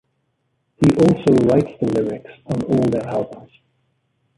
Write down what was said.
He also writes the lyrics on all their albums.